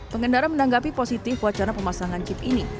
pengendara menanggapi positif wacana pemasangan chip ini